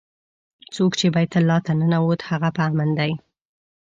څوک چې بیت الله ته ننوت هغه په امن دی.